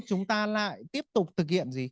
chúng ta lại tiếp tục thực hiện